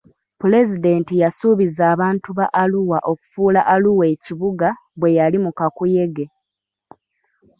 Pulezidenti yasuubiza abantu ba Arua okufuula Arua ekibuga bwe yali mu kakuyege.